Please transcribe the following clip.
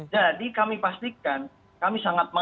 jadi kami pastikan kami sangat malu